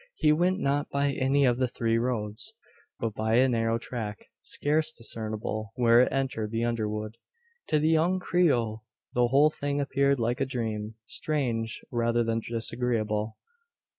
He went not by any of the three roads, but by a narrow track, scarce discernible where it entered the underwood. To the young Creole the whole thing appeared like a dream strange, rather than disagreeable.